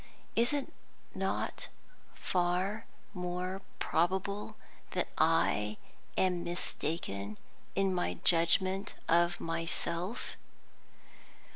Is it not far more probable that I am mistaken in my judgment of myself?